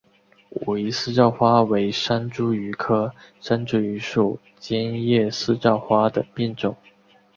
武夷四照花为山茱萸科山茱萸属尖叶四照花的变种。